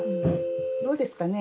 どうですかね。